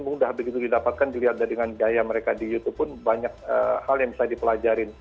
mudah begitu didapatkan dilihat dengan gaya mereka di youtube pun banyak hal yang bisa dipelajarin